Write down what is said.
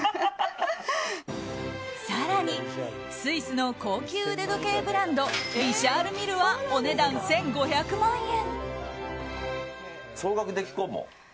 更にスイスの高級腕時計ブランドリシャール・ミルはお値段１５００万円。